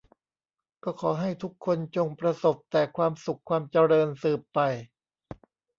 ก็ขอให้ทุกคนจงประสบแต่ความสุขความเจริญสืบไป